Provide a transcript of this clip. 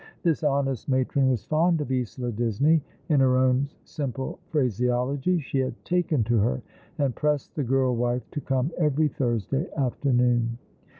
This honest matron was fond of Isola Disney. In her own simi^'e phraseology, she had " taken to her ;" and pressed the girl wife to come every Thursday afternoon.